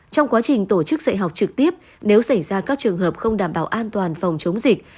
trong quá trình tổ chức dạy học trực tiếp nếu xảy ra các trường hợp không đảm bảo an toàn phòng chống dịch